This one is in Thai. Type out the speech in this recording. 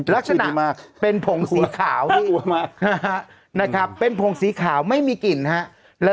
ลักษณะเป็นผงสีขาวนะครับเป็นผงสีขาวไม่มีกลิ่นนะฮะหัวมาก